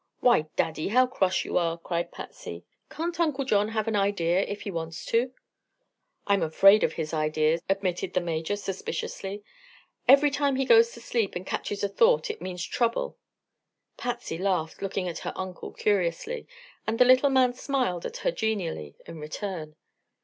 "Why, Daddy, how cross you are!" cried Patsy. "Can't Uncle John have an idea if he wants to?" "I'm afraid of his ideas," admitted the Major, suspiciously. "Every time he goes to sleep and catches a thought, it means trouble." Patsy laughed, looking at her uncle curiously, and the little man smiled at her genially in return.